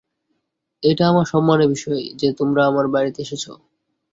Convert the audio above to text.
এটা আমার সম্মানের বিষয় যে তোমরা আমার বাড়িতে এসেছ।